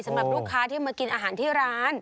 สำหรับลูกค้าที่มากินอาหารที่ร้าน